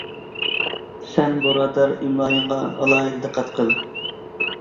سەن بۇرادەر ئىملايىڭغا ئالاھىدە دىققەت قىل.